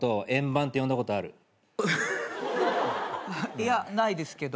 いやないですけど。